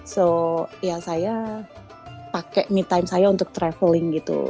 jadi ya saya pakai me time saya untuk traveling gitu